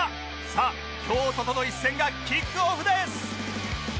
さあ京都との一戦がキックオフです